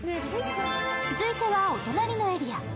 続いてはお隣のエリア。